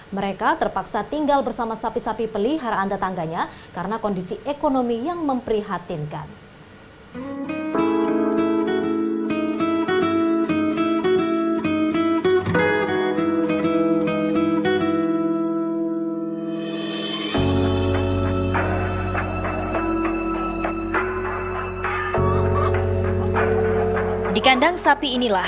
mereka terpaksa tinggal bersama sapi sapi pelihara antatangganya karena kondisi ekonomi yang memprihatinkan